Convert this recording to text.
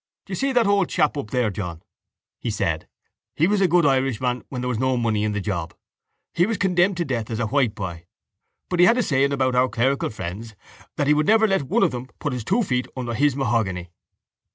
—Do you see that old chap up there, John? he said. He was a good Irishman when there was no money in the job. He was condemned to death as a whiteboy. But he had a saying about our clerical friends, that he would never let one of them put his two feet under his mahogany.